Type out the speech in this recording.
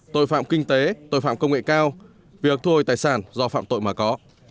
tội phạm kinh tế tội phạm công nghệ cao việc thu hồi tài sản do phạm tội mà có